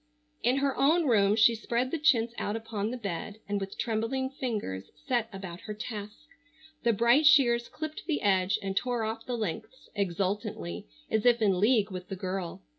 In her own room she spread the chintz out upon the bed and with trembling fingers set about her task. The bright shears clipped the edge and tore off the lengths exultantly as if in league with the girl.